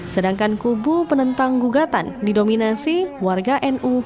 sedangkan kubu penentang gugatan didominasi warga nu